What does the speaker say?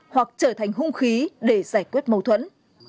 hoặc trở thành hung khí để giải quyết mâu thuẫn